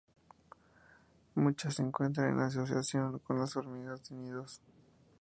Muchas se encuentran en asociación con las hormigas de nidos.